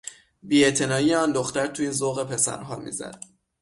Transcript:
بیاعتنایی آن دختر توی ذوق پسرها میزد.